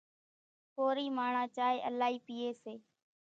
ڪورِي ماڻۿان چائيَ الائِي پيئيَ سي۔